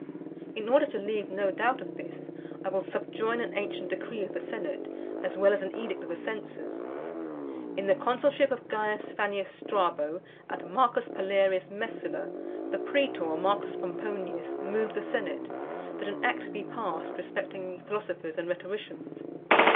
In order to leave no doubt of this, I will subjoin an ancient decree of the senate, as well as an edict of the censors: "In the consulship of Caius Fannius Strabo, and Marcus Palerius Messala : the praetor Marcus Pomponius moved the senate, that an act be passed respecting Philosophers and Rhetoricians.